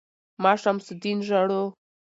ـ ما شمس الدين ژاړو